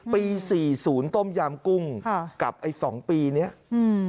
ปีสี่ศูนย์ต้มยามกุ้งค่ะกับไอ้สองปีเนี้ยอืม